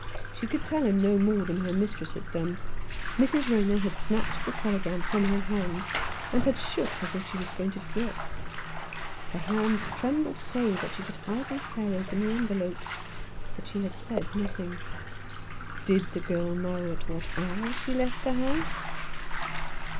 She could tell him no more than her mistress had done. Mrs. Rayner had snatched the telegram from her hand, and had shook as if she was going to drop. Her hands trembled so that she could hardly tear open the envelope ; but she had said nothing. "Did the girl know at what hour she left the house